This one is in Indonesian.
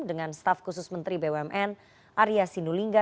dengan staff khusus menteri bumn arya sindulingga